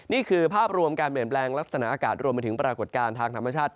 นี่คือภาพรวมการเปลี่ยนแปลงลักษณะอากาศรวมไปถึงปรากฏการณ์ทางธรรมชาติ